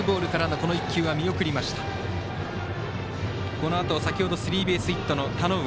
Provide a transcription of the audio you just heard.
このあと、先ほどスリーベースヒットの田上。